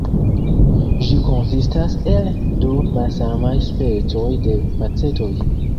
Ĝi konsistas el du malsamaj specoj de facetoj.